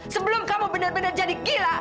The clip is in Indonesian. sebelum kamu benar benar jadi gila